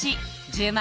１０万